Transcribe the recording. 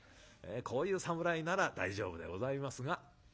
こういう侍なら大丈夫でございますが。